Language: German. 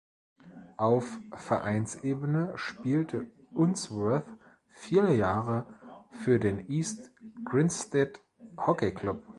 Auf Vereinsebene spielte Unsworth viele Jahre für den East Grinstead Hockey Club.